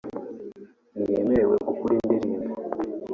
ntiyemerewe gukora indirimbo